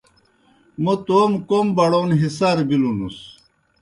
موْ توموْ کوْم بڑون ہِسار بِلوْنُس۔